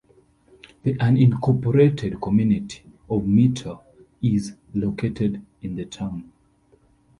The unincorporated community of Meteor is located in the town.